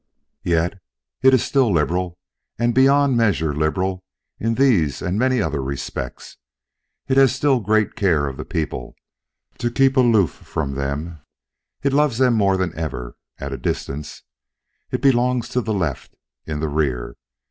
Yes, it is still liberal and beyond measure liberal in these and many other respects. It has still great care of the people—to keep aloof from them; it loves them more than ever—at a distance. It still belongs to the Left—in the rear.